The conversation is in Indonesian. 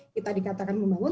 kita dikatakan membangun